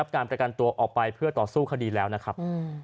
การประกันตัวออกไปเพื่อต่อสู้คดีแล้วนะครับ